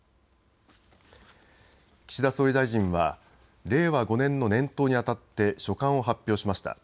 岸田総理大臣は令和５年の年頭にあたって所感を発表しました。